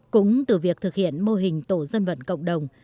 cũng từ việc thực hiện mô hình tổ dân vận cộng đồng